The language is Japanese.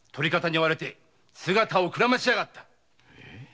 追われて姿をくらましやがった！